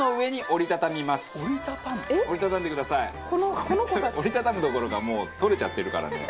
折り畳むどころかもう取れちゃってるからね。